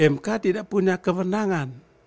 mk tidak punya kemenangan